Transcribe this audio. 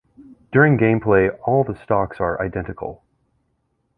During gameplay all the stocks are identical.